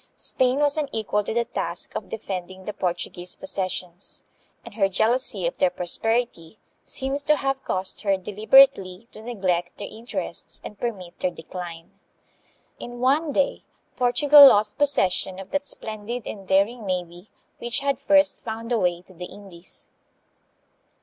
Spain was unequal to the task of defending the Portu guese possessions, and her jealousy of their prosperity seems to have caused her deliberately to neglect their in terests and permit their decline. In one day Portugal lost possession of that splendid and daring navy which had first found a way to the Indies.